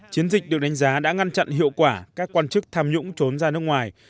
chiến dịch được đánh giá đã ngăn chặn hiệu quả các quan chức tham nhũng trốn ra nước ngoài